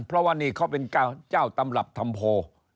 เพราะวันนี้เขาเป็นเจ้าตำรับทำโพ